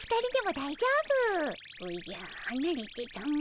おじゃはなれてたも。